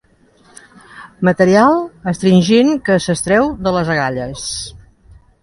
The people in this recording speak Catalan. Material astringent que s'extreu de les agalles.